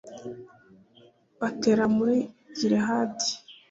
batera muri gilihadi